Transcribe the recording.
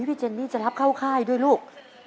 อุ๊ยพี่เจนี่จะรับเข้าค่ายด้วยลูก